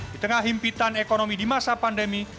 di tengah himpitan ekonomi di masa pandemi